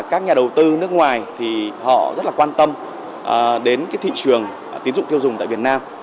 các nhà đầu tư nước ngoài rất quan tâm đến thị trường tiến dụng tiêu dùng tại việt nam